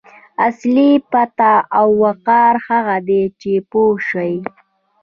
اصلي پت او وقار هغه دی پوه شوې!.